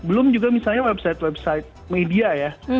belum juga misalnya website website media ya